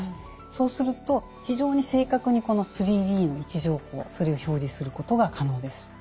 そうすると非常に正確にこの３Ｄの位置情報それを表示することが可能です。